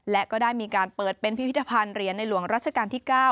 และก็ได้มีการเปิดเป็นพิพิธภัณฑ์เหรียญในหลวงรัชกาลที่๙